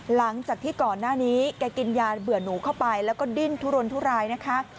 หลังจากที่ก่อนหน้านี้แกกินยาเบื่อหนูเข้าไปแล้วก็ดิ้นทุรนทุรายนะคะ